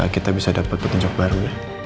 kita bisa dapat petunjuk baru